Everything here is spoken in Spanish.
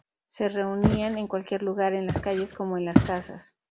Se reunían en cualquier lugar, en las calles como en las casas.